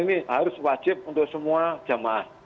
ini harus wajib untuk semua jamaah